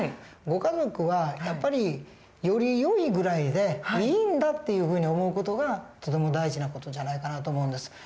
ご家族はやっぱりよりよいぐらいでいいんだっていうふうに思う事がとても大事な事じゃないかなと思うんです。